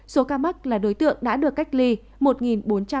số ca mắc là đối tượng đã được cách ly và trong khu vực phong tỏa